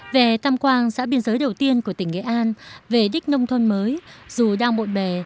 về tam quang xã biên giới đầu tiên của tỉnh nghệ an về đích nông thôn mới dù đang bộn bề